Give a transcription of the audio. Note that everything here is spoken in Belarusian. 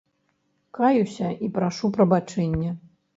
Каюся і прашу прабачэння.